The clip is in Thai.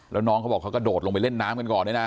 แล้วน้องเขาบอกเขากระโดดลงไปเล่นน้ำกันก่อนด้วยนะ